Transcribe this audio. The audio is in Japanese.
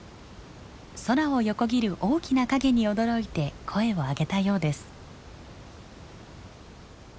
空を横切る大きな影に驚いて声を上げたようです。